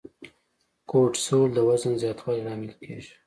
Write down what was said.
کورټیسول د وزن زیاتوالي لامل کېږي.